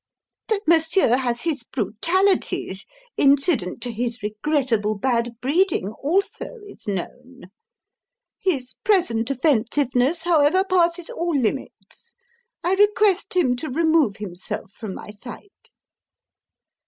"That Monsieur has his brutalities, incident to his regrettable bad breeding, also is known. His present offensiveness, however, passes all limits. I request him to remove himself from my sight."